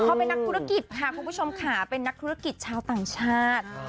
เขาเป็นนักธุรกิจค่ะคุณผู้ชมค่ะเป็นนักธุรกิจชาวต่างชาติ